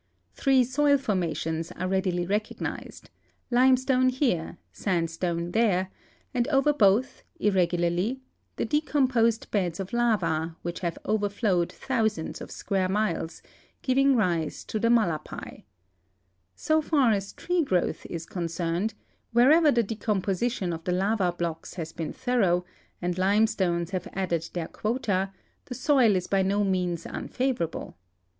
Three soil formations are readily recognized— limestone here, sandstone there, and over both, irregularly, the decomposed beds of lava which have overflowed thousands of square miles, giv ing rise to the malapai. So i\ir ns tree growth is concerned, wher ever the decomi)Osition of the lava l^locks has been thorough and limestones have added their quota, the soil is by no means unfavorable.